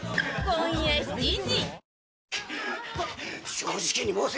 正直に申せ！